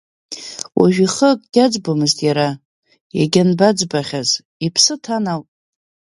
Уажәы ихы акгьы аӡбомызт иара иагьанбаӡбахьаз, иԥсы ҭан ауп.